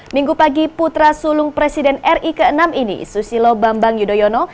minggu pagi putra sulung presiden ri ke enam ini susilo bambang yudhoyono